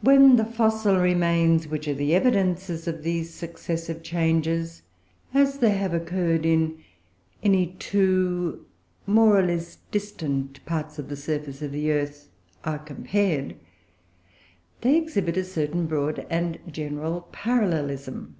When the fossil remains which are the evidences of these successive changes, as they have occurred in any two more or less distant parts of the surface of the earth, are compared, they exhibit a certain broad and general parallelism.